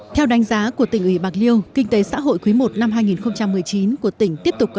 theo đánh giá của tỉnh ủy bạc liêu kinh tế xã hội quý i năm hai nghìn một mươi chín của tỉnh tiếp tục có